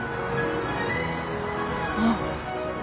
あっ。